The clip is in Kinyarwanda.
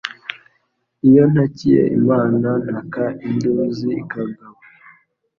Iyo ntakiye Imana ntaka induzi ikagaba